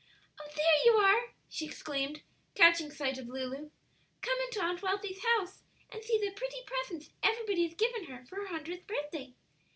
"Oh, there you are!" she exclaimed, catching sight of Lulu. "Come into Aunt Wealthy's house and see the pretty presents everybody has given her for her hundredth birthday.